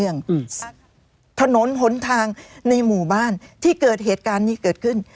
อืมสักถนนหนทางในหมู่บ้านที่เกิดเหตุการณ์นี้เกิดขึ้น